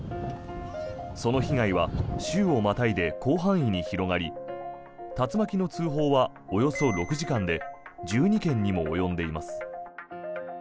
その被害は州をまたいで広範囲に広がり竜巻の通報はおよそ６時間で１２件にも及んでいます。